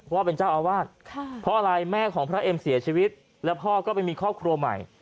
ว่าเป็นเจ้าอาวาสเพราะอะไรแม่ของพระเอ็มเสียชีวิตแล้วพ่อก็ไปมีครอบครัวใหม่